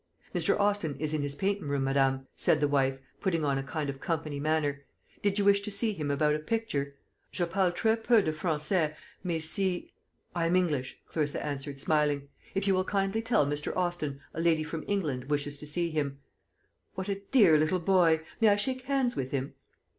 "Mr. Austin is in his paintin' room, madame," said the wife, putting on a kind of company manner. "Did you wish to see him about a picture? Je parle très poo de Français, mais si " "I am English," Clarissa answered, smiling; "if you will kindly tell Mr. Austin a lady from England wishes to see him. What a dear little boy! May I shake hands with him?"